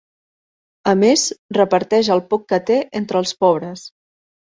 A més, reparteix el poc que té entre els pobres.